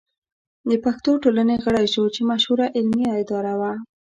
د پښتو ټولنې غړی شو چې مشهوره علمي اداره وه.